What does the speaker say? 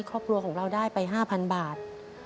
ครอบครัวของเราได้ไป๕๐๐๐บาท